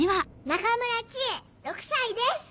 中村知恵６歳です。